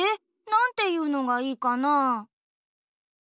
なんていうのがいいかな？